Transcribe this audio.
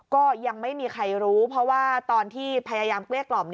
ก็ยังไม่มีใครรู้เพราะว่าตอนที่พยายามเกลี้ยกล่อม